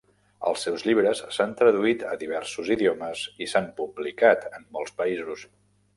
Els seus llibres s'han traduït a diversos idiomes i s'han publicat en molts països.